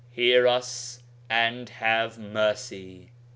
Hear us and have mercy.'